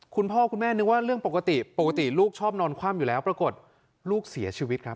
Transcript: คุณพ่อคุณแม่นึกว่าเรื่องปกติปกติลูกชอบนอนคว่ำอยู่แล้วปรากฏลูกเสียชีวิตครับ